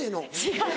違う！